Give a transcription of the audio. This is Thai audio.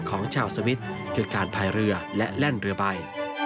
ของชาวสวิทย์คือการพายเรือและแล่นเรือใบ